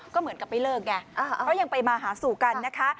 ก็เหมือนกับไม่เลิกไงเพราะยังไปมาหาสู่กันนะคะ